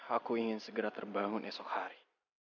aku ingin segera terbangun esok hari